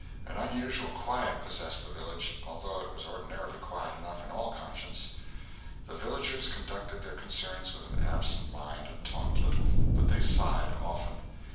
An unusual quiet possessed the village, although it was ordinarily quiet enough, in all conscience. The villagers conducted their concerns with an absent air, and talked little; but they sighed often.